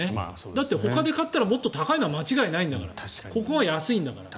だってほかで買ったらもっと高いのは間違いないんだからここが安いんだから。